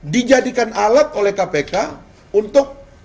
dijadikan alat oleh kpk untuk